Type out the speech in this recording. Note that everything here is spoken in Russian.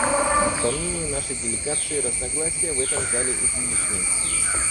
По мнению нашей делегации, разногласия в этом зале излишни.